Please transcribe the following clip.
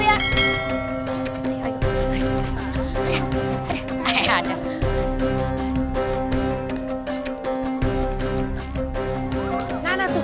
nah nah tuh